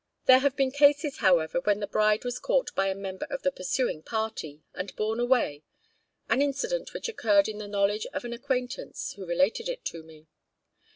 There have been cases, however, when the bride was caught by a member of the pursuing party, and borne away an incident which occurred in the knowledge of an acquaintance, who related it to me.